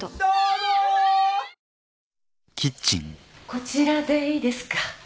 こちらでいいですか？